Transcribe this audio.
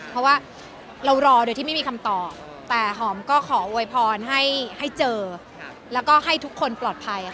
เพราะว่าเรารอโดยที่ไม่มีคำตอบแต่หอมก็ขอโวยพรให้เจอแล้วก็ให้ทุกคนปลอดภัยค่ะ